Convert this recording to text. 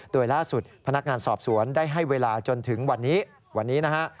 โดยล่าสุดพนักงานสอบสวนได้ให้เวลาจนถึงวันนี้วันนี้นะฮะ